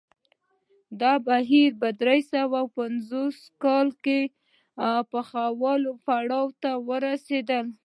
دا بهیر په درې سوه پنځلس کال کې پوخوالي پړاو ته ورسېد